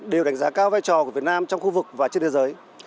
đều đánh giá cao vai trò của việt nam trong khu vực và trên thế giới